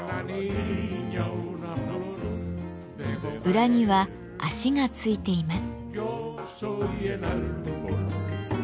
裏には脚が付いています。